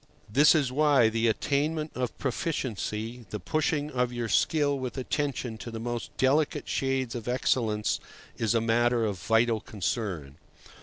This is why the attainment of proficiency, the pushing of your skill with attention to the most delicate shades of excellence, is a matter of vital concern.